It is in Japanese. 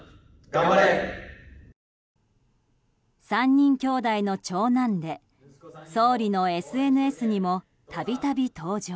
３人兄弟の長男で総理のＳＮＳにも度々、登場。